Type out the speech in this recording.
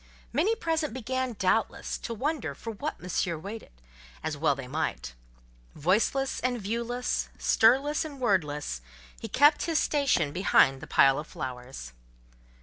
Many present began, doubtless, to wonder for what Monsieur waited; as well they might. Voiceless and viewless, stirless and wordless, he kept his station behind the pile of flowers.